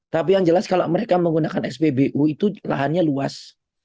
tapi yang jelas kalau mereka menggunakan spbu itu lahannya luas